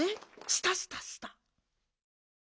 スタスタスタ。